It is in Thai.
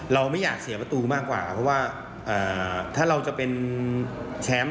เราไม่อยากเสียประตูมากกว่าเพราะว่าถ้าเราจะเป็นแชมป์